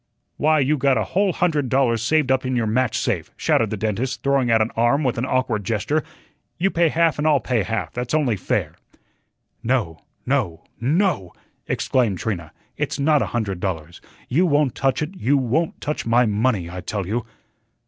"Why, you got a whole hundred dollars saved up in your match safe," shouted the dentist, throwing out an arm with an awkward gesture. "You pay half and I'll pay half, that's only fair." "No, no, NO," exclaimed Trina. "It's not a hundred dollars. You won't touch it; you won't touch my money, I tell you."